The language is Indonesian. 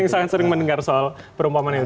saya sering mendengar soal perumpamaan itu